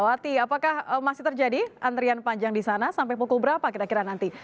apakah masih terjadi antrian panjang di sana sampai pukul berapa kira kira nanti